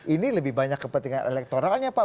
ini lebih banyak kepentingan elektoralnya pak